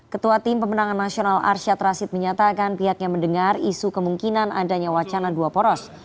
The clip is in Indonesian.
ketua tim pemenangan nasional arsyad rashid menyatakan pihaknya mendengar isu kemungkinan adanya wacana dua poros